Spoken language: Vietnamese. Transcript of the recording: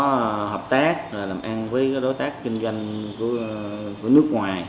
hợp tác làm ăn với đối tác kinh doanh của nước ngoài